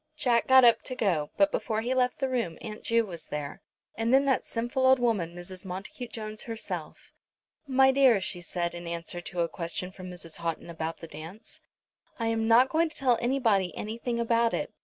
Jack got up to go, but before he left the room Aunt Ju was there, and then that sinful old woman Mrs. Montacute Jones herself. "My dear," she said in answer to a question from Mrs. Houghton about the dance, "I am not going to tell anybody anything about it.